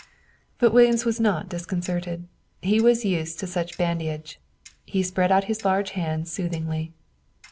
But Williams was not disconcerted. He was used to such badinage. He spread out his large hands soothingly.